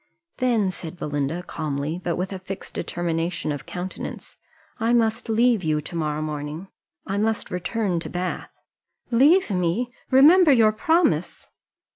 "Then," said Belinda, calmly, but with a fixed determination of countenance, "I must leave you to morrow morning I must return to Bath." "Leave me! remember your promise."